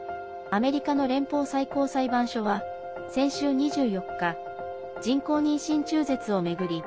アメリカの連邦最高裁判所は先週２４日人工妊娠中絶を巡り